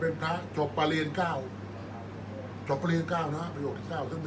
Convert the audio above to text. อันไหนที่มันไม่จริงแล้วอาจารย์อยากพูด